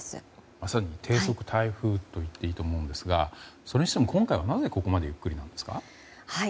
まさに低速台風と言っていいと思うんですがそれにしても今回はなぜ、ここまでゆっくりなんですか？